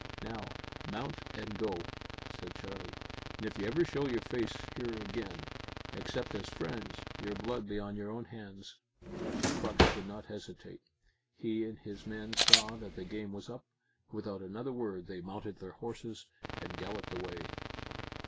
"Now, mount and go," said Charlie, "and if you ever show face here again, except as friends, your blood be on your own heads!" Crux did not hesitate. He and his men saw that the game was up; without another word they mounted their horses and galloped away.